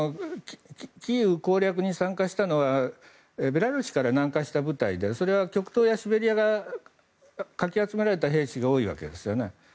キーウ攻略に参加したのはベラルーシから南下した部隊でそれは極東やシベリアからかき集められた兵士が多いわけですよね。